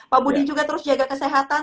pak budi juga terus jaga kesehatan